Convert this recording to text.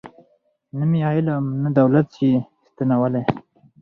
نه مي علم نه دولت سي ستنولای